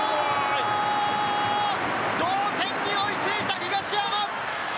同点に追いついた東山！